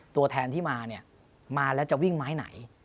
ตัวแทนที่มาจะวิ่งไม้ไหน